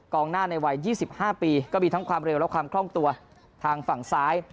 หน้าในวัย๒๕ปีก็มีทั้งความเร็วและความคล่องตัวทางฝั่งซ้าย